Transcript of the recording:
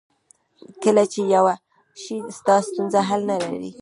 کله چې پوه شې ستا ستونزه حل نه لري.